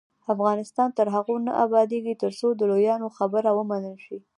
افغانستان تر هغو نه ابادیږي، ترڅو د لویانو خبره ومنل شي.